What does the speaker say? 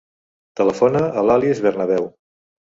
Telefona a l'Alice Bernabeu.